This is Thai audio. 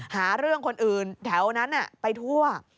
หาเรื่องคนอื่นแถวนั้นไปทั่ว